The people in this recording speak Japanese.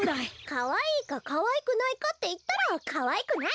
かわいいかかわいくないかっていったらかわいくない！